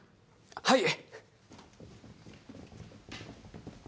はい